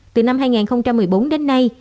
từ năm hai nghìn một mươi bốn đến nay